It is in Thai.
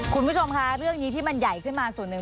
คุณผู้ชมคะเรื่องนี้ที่มันใหญ่ขึ้นมาส่วนหนึ่ง